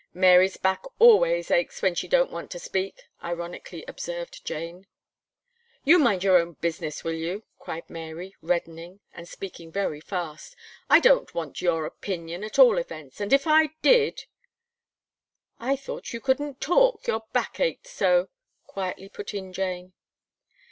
"Mary's back always aches when she don't want to speak," ironically observed Jane. "You mind your own business, will you!" cried Mary, reddening, and speaking very fast. "I don't want your opinion, at all events; and if I did " "I thought you couldn't talk, your back ached so," quietly put in Jane.